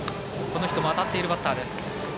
この人も当たっているバッター。